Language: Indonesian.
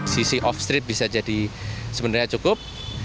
sisi off street bisa jadi sebenarnya cukup